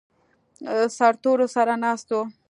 سرتور سر ناست و.